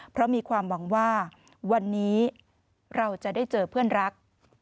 เพราะมีความหวังว่าวันนี้เราจะได้เจอเพื่อนรัก